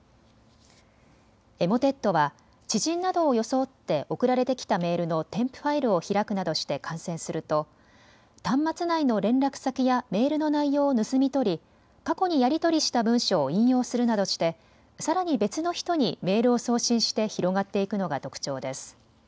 エモテットは知人などを装って送られてきたメールの添付ファイルを開くなどして感染すると、端末内の連絡先やメールの内容を盗み取り過去にやり取りした文書を引用するなどしてさらに別の人にメールを送信して広がっていくのが特徴です。